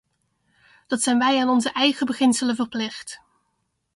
Dat zijn wij aan onze eigen beginselen verplicht.